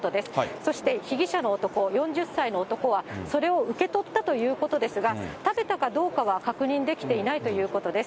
そして、被疑者の男、４０歳の男はそれを受け取ったということですが、食べたかどうかは確認できていないということです。